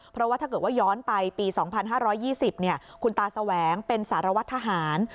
เพราะว่าถ้าเกิดว่าย้อนไปปี๒๕๒๐คุณตาแสวงเป็นสารวัตรทหาร